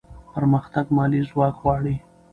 پرمختګ مالي ځواک غواړي.